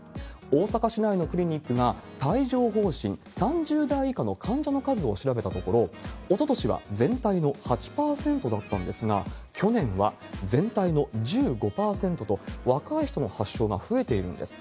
大阪市内のクリニックが、帯状ほう疹、３０代以下の患者の数を調べたところ、おととしは全体の８％だったんですが、去年は全体の１５％と、若い人の発症が増えているんです。